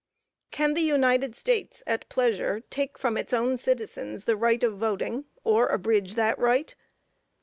Can the United States, at pleasure, take from its own citizens the right of voting, or abridge that right?